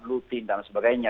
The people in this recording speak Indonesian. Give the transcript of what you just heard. looting dan sebagainya